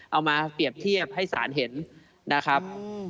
เอามาเปรียบเทียบให้ศาลเห็นนะครับ